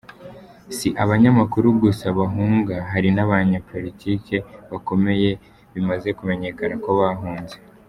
Si abanyamakuru gusa bahunga, hari n’abanyapolitike bakomeye bimaze kumenyekana ko bahunze.